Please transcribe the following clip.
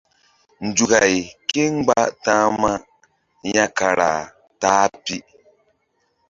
Nzukay kémgba ta̧hma ya kara ta-a pi.